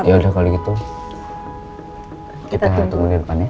ya udah kalau gitu kita harus tunggu di depannya